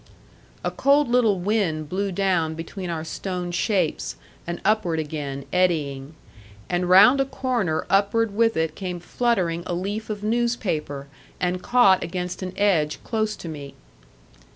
A cold little wind blew down between our stone shapes, and upward again, eddying. And round a corner upward with it came fluttering a leaf of newspaper, and caught against an edge close to me.